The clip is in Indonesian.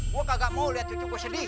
gue kagak mau liat cucuk gue sedih